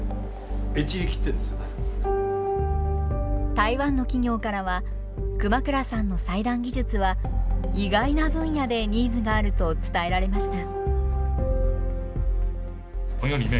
台湾の企業からは熊倉さんの裁断技術は意外な分野でニーズがあると伝えられました。